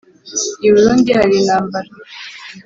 i burundi hari ntambara